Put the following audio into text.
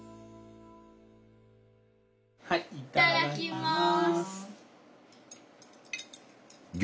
いただきます。